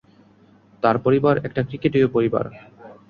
তার পরিবার একটি ক্রিকেটীয় পরিবার।